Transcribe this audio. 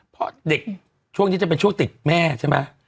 เพราะเด็กช่วงนี้จะเป็นช่วงติดแม่ใช่ไหม